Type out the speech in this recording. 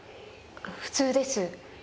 普通です。